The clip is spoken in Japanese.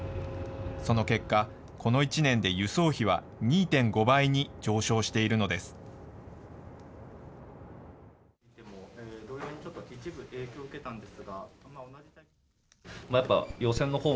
その結果、この１年で輸送費は２．５倍に上昇しているのです。